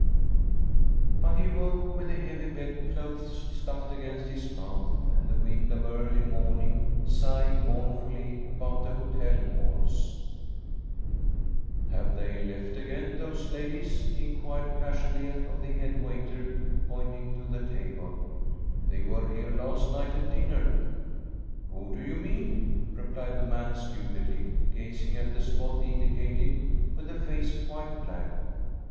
But he woke, with the heavy bed clothes stuffed against his mouth and the wind of early morning sighing mournfully about the hotel walls. "Have they left again those ladies?" he inquired casually of the head waiter, pointing to the table. "They were here last night at dinner." "Who do you mean?" replied the man, stupidly, gazing at the spot indicated with a face quite blank.